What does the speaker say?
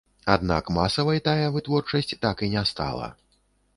Аднак масавай тая вытворчасць так і не стала.